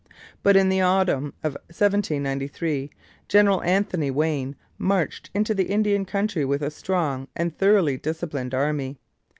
But in the autumn of 1793 General Anthony Wayne marched into the Indian country with a strong and thoroughly disciplined army.